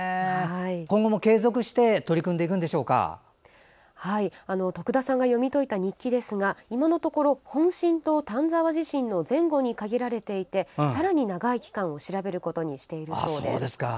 今後も継続して徳田さんが読み解いた日記ですが今のところ、本震と丹沢地震の前後に限られていてさらに長い期間を調べることにしているそうです。